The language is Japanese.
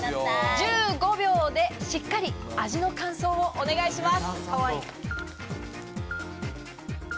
１５秒でしっかり味の感想をお願いします。